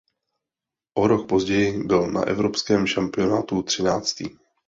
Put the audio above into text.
O rok později byl na evropském šampionátu třináctý.